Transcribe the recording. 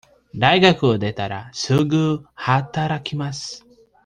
大学を出たら、すぐ働きます。